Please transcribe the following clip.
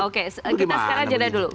oke kita sekarang jeda dulu